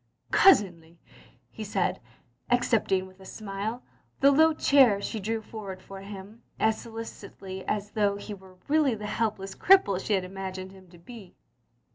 "Cousinly!" he said, accepting, with a smile, the low chair she drew forward for him as solicit ously as though he were really the helpless cripple she had imagined him to be.